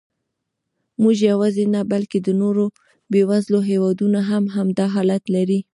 موږ یواځې نه، بلکې د نورو بېوزلو هېوادونو هم همدا حالت لري.